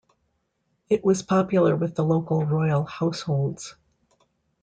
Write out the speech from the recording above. It was popular with the local royal households.